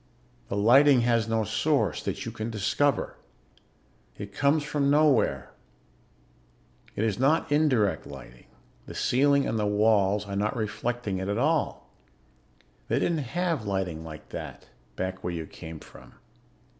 The lighting has no source that you can discover. It comes from nowhere. It is not indirect lighting; the ceiling and the walls are not reflecting it at all. [Illustration: Illustrated by VIDMER] They didn't have lighting like that, back where you came from.